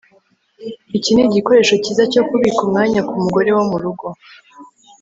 iki nigikoresho cyiza cyo kubika umwanya kumugore wo murugo